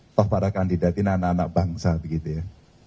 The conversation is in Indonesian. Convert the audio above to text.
atau para kandidatin anak anak bangsa begitu ya